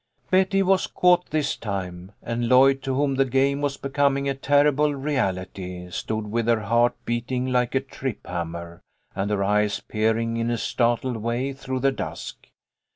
Betty was caught this time, and Lloyd, to whom the game was becoming a terrible reality, stood with her heart beating like a trip hammer and her eyes peering in a startled way through the dusk.